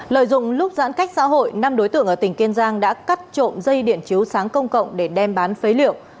lời dùng lúc giãn cách xã hội năm đối tượng ở tỉnh kiên giang đã cắt trộn dây điện chiếu sáng công cộng để đem bán phế liệu